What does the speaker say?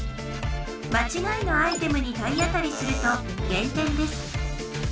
まちがいのアイテムに体当たりすると減点です。